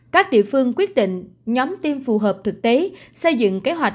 các địa phương quyết định nhóm tiêm phù hợp thực tế xây dựng kế hoạch